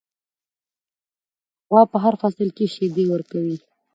غوا په هر فصل کې شیدې ورکوي.